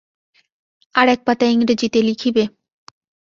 আর এক পাতা ইংরেজীতে লিখিবে।